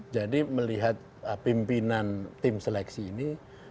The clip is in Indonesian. jadi melihat pimpinan tim seleksi ini